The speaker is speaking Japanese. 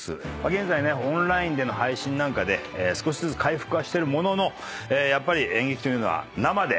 現在オンラインでの配信なんかで少しずつ回復はしてるもののやっぱり演劇というのは生で見に来てほしいと。